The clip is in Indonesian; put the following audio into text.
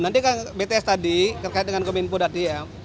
nanti bts tadi terkait dengan kominfo tadi ya